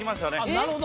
なるほど。